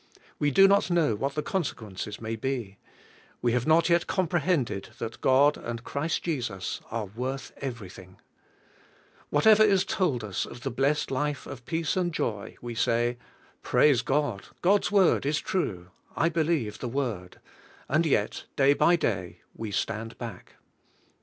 We do not know • what the consequences maybe. We have not yet JOY IN THE HOLY GHOST 133 comprehended that God and Christ Jesus are worth everything. Whatever is told us of the blessed life of peace and joy,\ve say," Praise God; God's Word is true; I believe the Word;" and yet, day by day, we stand back.